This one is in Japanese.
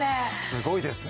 すごいですね。